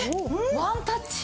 ワンタッチ。